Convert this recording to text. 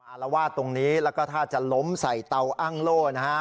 อารวาสตรงนี้แล้วก็ถ้าจะล้มใส่เตาอ้างโล่นะฮะ